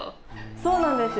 そうなんですよ